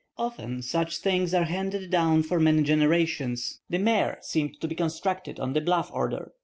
Often such things are handed down for many generations; the Mayor seemed to be constructed on the bluff order.